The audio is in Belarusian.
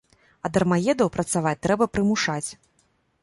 А дармаедаў працаваць трэба прымушаць.